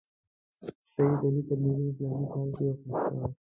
سید علي ترمذي په فلاني کال کې وفات شوی.